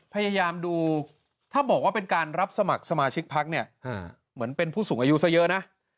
พยายามดูถ้าบอกว่าเป็นการรับสมัครสมาชิกพักเป็นผู้สูงอายุเฉยนะ